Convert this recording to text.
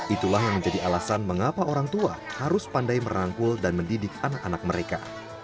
itulah yang menjadi alasan mengapa orang tua harus pandai merangkul dan mendidik anak anak mereka